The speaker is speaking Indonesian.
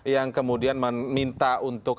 yang kemudian meminta untuk